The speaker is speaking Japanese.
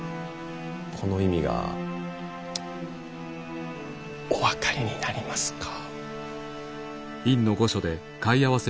この意味がお分かりになりますか？